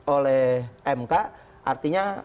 oleh mk artinya